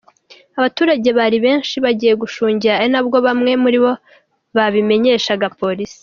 Abaturage bari benshi bagiye gushungera ari nabwo bamwe muribo babimenyeshaga Polisi.